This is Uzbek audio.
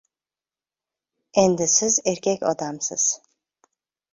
— Endi, siz erkak odamsiz.